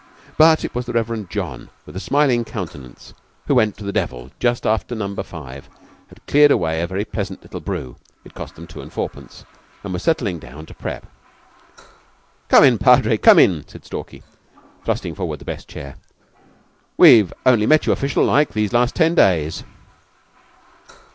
But it was the Reverend John, with a smiling countenance, who went to the devil just after Number Five had cleared away a very pleasant little brew (it cost them two and fourpence) and was settling down to prep. "Come in, Padre, come in," said Stalky, thrusting forward the best chair. "We've only met you official like these last ten days."